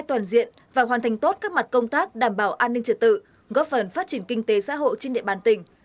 toàn diện và hoàn thành tốt các mặt công tác đảm bảo an ninh trật tự góp phần phát triển kinh tế xã hội trên địa bàn tỉnh